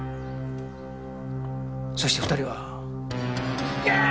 そして２人は。